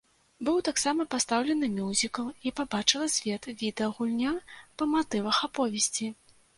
Быў таксама пастаўлены мюзікл і пабачыла свет відэагульня па матывах аповесці.